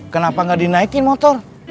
kenapa ga dinaikin motor